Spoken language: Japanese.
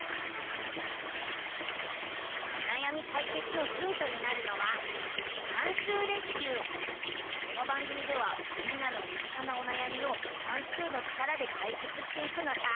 おなやみかいけつのヒントになるのはこの番組ではみんなのみ近なおなやみを算数の力でかいけつしていくのさ！